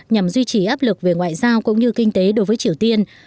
nhằm duy trì áp lực về ngoại giao cũng như kinh tế đối với triều tiên